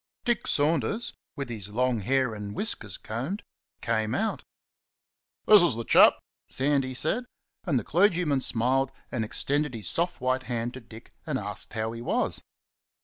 Dick Saunders, with his long hair and whiskers combed, came out. "This is the chap!" Sandy said, and the clergyman smiled and extended his soft white hand to Dick and asked how he was.